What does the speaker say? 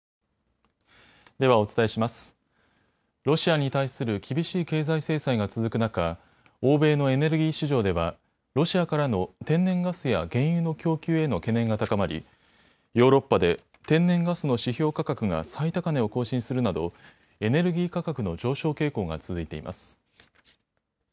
ロシアに対する厳しい経済制裁が続く中、欧米のエネルギー市場ではロシアからの天然ガスや原油の供給への懸念が高まりヨーロッパで天然ガスの指標価格が最高値を更新するなどエネルギー価格の上昇傾向が続いています。